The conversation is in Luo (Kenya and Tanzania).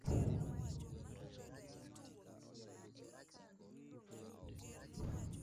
Oripo wang'e ni kiswahili en marwa ma ok onego wawile gi dhok